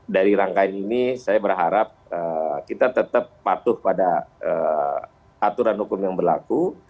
dari rangkaian ini saya berharap kita tetap patuh pada aturan hukum yang berlaku